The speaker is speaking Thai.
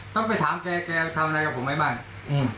ต้องไปถามแกแกทำอะไรกับผมไหมบ้าง